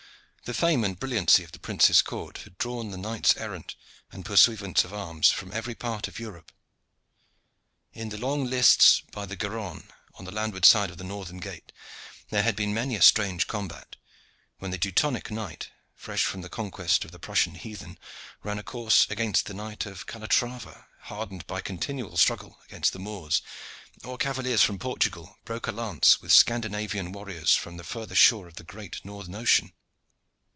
The fame and brilliancy of the prince's court had drawn the knights errant and pursuivants of arms from every part of Europe. In the long lists by the Garonne on the landward side of the northern gate there had been many a strange combat, when the Teutonic knight, fresh from the conquest of the Prussian heathen, ran a course against the knight of Calatrava, hardened by continual struggle against the Moors, or cavaliers from Portugal broke a lance with Scandinavian warriors from the further shore of the great Northern Ocean.